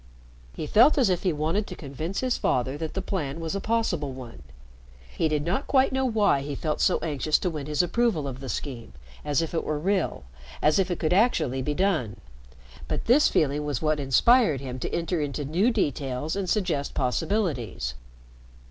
He felt as if he wanted to convince his father that the plan was a possible one. He did not quite know why he felt so anxious to win his approval of the scheme as if it were real as if it could actually be done. But this feeling was what inspired him to enter into new details and suggest possibilities.